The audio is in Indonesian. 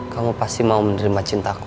kamu pasti mau menerima cintaku